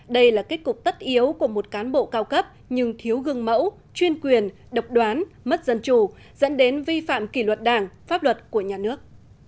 đây là kết cục tất yếu của một cán bộ cao cấp nhưng thiếu gương mẫu chuyên quyền độc đoán mất dân chủ dẫn đến vi phạm kỷ luật đảng pháp luật của nhà nước